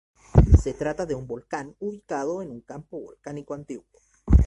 Se trata de un volcán ubicado en un campo volcánico antiguo.